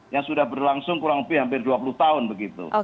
yang sudah berlangsung kurang lebih hampir dua puluh tahun begitu